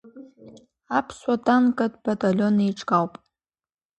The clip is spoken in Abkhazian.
Аԥсуа танкатә баталион еиҿкаауп.